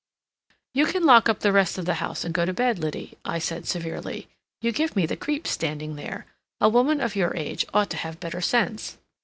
"You can lock up the rest of the house and go to bed, Liddy," I said severely. "You give me the creeps standing there. A woman of your age ought to have better sense."